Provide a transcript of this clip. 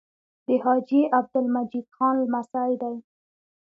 د حاجي عبدالمجید خان لمسی دی.